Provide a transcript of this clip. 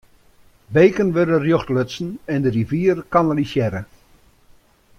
Beken wurde rjocht lutsen en de rivier kanalisearre.